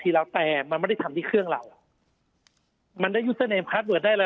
ทีแล้วแต่มันไม่ได้ทำที่เครื่องเรามันได้ได้อะไร